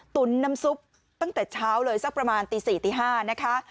ตุ๋นน้ำซุปตั้งแต่เช้าเลยสักประมาณตี๔ตี๕นะคะ